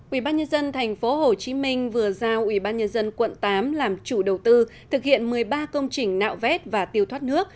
ubnd tp hcm vừa giao ubnd quận tám làm chủ đầu tư thực hiện một mươi ba công trình nạo vét và tiêu thoát nước